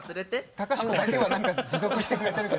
隆子だけは持続してくれてるけど。